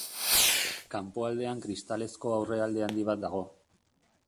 Kanpoaldean kristalezko aurrealde handi bat dago.